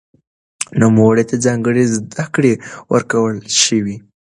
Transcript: نوموړي ته ځانګړې زده کړې ورکړل شوې.